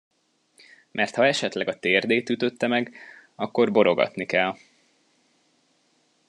Mert ha esetleg a térdét ütötte meg, akkor borogatni kell.